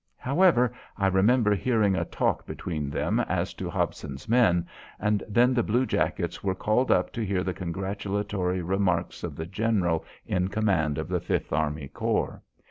However, I remember hearing a talk between them as to Hobson's men, and then the blue jackets were called up to hear the congratulatory remarks of the general in command of the Fifth Army Corps.